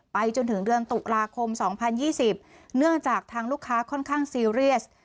ไปจนถึงเดือนตุลาคมสองพันยี่สิบเนื่องจากทางลูกค้าค่อนข้างซีเรียส